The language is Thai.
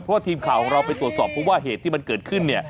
เพราะว่าทีมข่าวของเราไปตรวจสอบเพราะว่าเหตุที่มันเกิดขึ้นเนี่ย